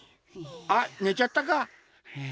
あっねちゃったか。